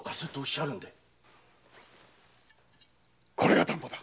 これが担保だ。